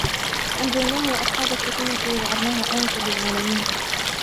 فَأَنْجَيْنَاهُ وَأَصْحَابَ السَّفِينَةِ وَجَعَلْنَاهَا آيَةً لِلْعَالَمِينَ